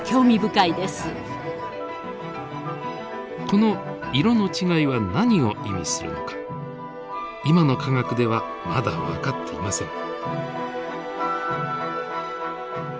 この色の違いは何を意味するのか今の科学ではまだ分かっていません。